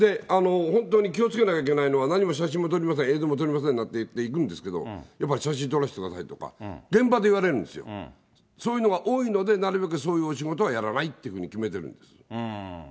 本当に気をつけなきゃいけないのは、なにも写真も撮りません、映像も撮りませんなんて、行くんですけど、写真撮らせてくださいとか、現場で言われるんですよ、そういうのが多いので、なるべくそういうお仕事はやらないってふうに決めてるんです。